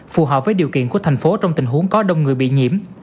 phù hợp với điều kiện của thành phố trong tình huống có đông người bị nhiễm